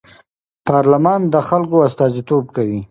پارلمان د خلکو استازیتوب کوي